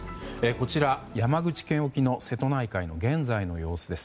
こちら、山口県沖の瀬戸内海の現在の様子です。